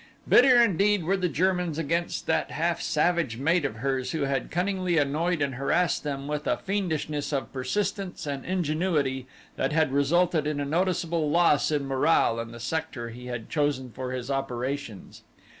Bitter indeed were the Germans against that half savage mate of hers who had cunningly annoyed and harassed them with a fiendishness of persistence and ingenuity that had resulted in a noticeable loss in morale in the sector he had chosen for his operations.